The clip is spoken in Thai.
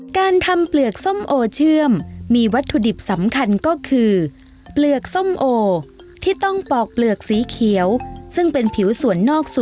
การทำเปลือกส้มโอเชื่อมมีวัตถุดิบสำคัญก็คือเปลือกส้มโอที่ต้องปอกเปลือกสีเขียวซึ่งเป็นผิวส่วนนอก